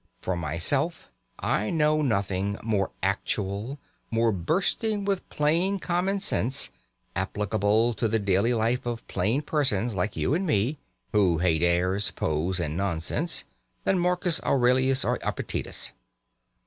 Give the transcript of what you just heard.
For myself, I know nothing more "actual," more bursting with plain common sense, applicable to the daily life of plain persons like you and me (who hate airs, pose, and nonsense) than Marcus Aurelius or Epictetus.